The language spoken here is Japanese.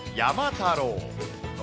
太郎。